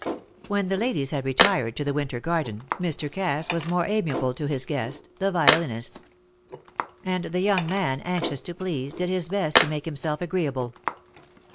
When the ladies had retired to the winter garden Mr. Cass was more amiable to his guest, the violinist. And the young man, anxious to please, did his best to make himself agreeable.